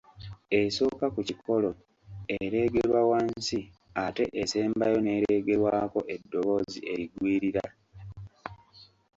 Esooka ku kikolo ereegerwa wansi ate esembayo n’ereegerwako eddoboozi erigwiririra